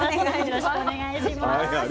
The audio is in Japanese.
よろしくお願いします。